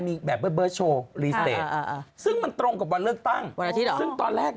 พี่เบิร์ดมาเลือกตั้งแล้ว